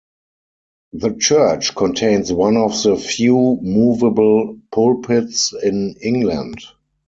The church contains one of the few moveable pulpits in England.